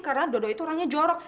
karena dodo itu orangnya jorok